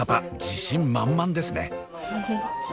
自信満々ですね！